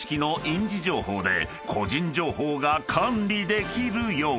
［個人情報が管理できるように］